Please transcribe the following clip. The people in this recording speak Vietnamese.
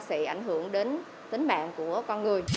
sẽ ảnh hưởng đến tính mạng của con người